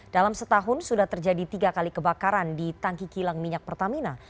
dalam setahun sudah terjadi tiga kali kebakaran di tangki kilang minyak pertamina